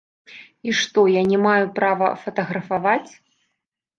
І што я не маю права фатаграфаваць.